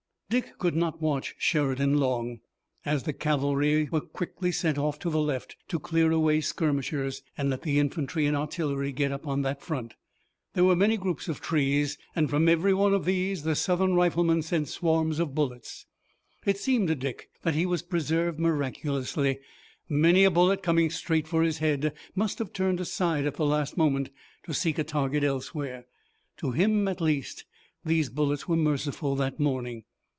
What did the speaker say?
Dick could not watch Sheridan long, as the cavalry were quickly sent off to the left to clear away skirmishers, and let the infantry and artillery get up on that front. There were many groups of trees, and from every one of these the Southern riflemen sent swarms of bullets. It seemed to Dick that he was preserved miraculously. Many a bullet coming straight for his head must have turned aside at the last moment to seek a target elsewhere. To him at least these bullets were merciful that morning.